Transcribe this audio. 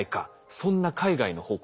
そんな海外の報告